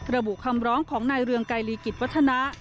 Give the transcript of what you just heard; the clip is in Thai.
ระบุคำร้องของนายเรืองไกรลีกิจวัฒนะ